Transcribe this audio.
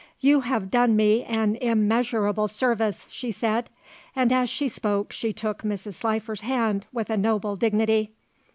"You have done me an immeasurable service," she said, and as she spoke she took Mrs. Slifer's hand with a noble dignity.